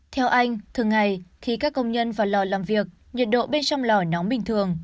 theo anh thường ngày khi các công nhân vào lò làm việc nhiệt độ bên trong lò nóng bình thường